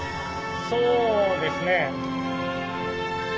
そうですね。